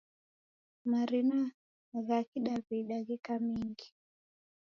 Marina ghakidawida gheka mengi.